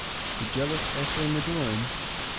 THE JEALOUS ESTRAMADURAN.